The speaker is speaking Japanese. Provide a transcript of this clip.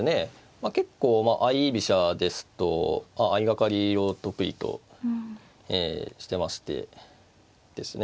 まあ結構相居飛車ですと相掛かりを得意としてましてですね